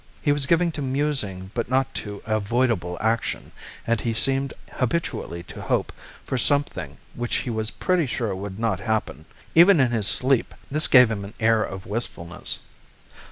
He was given to musing but not to avoidable action, and he seemed habitually to hope for something which he was pretty sure would not happen. Even in his sleep, this gave him an air of wistfulness.